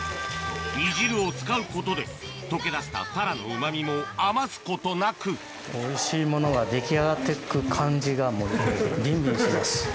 煮汁を使うことで溶け出したタラのうまみも余すことなくおいしいものが出来上がっていく感じがもうビンビンしてます。